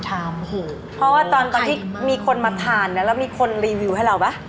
แล้วก็มีคนมาเท่านั้นแล้วมีคนรีวิวให้เราบ๊ะ